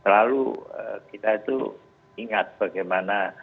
lalu kita itu ingat bagaimana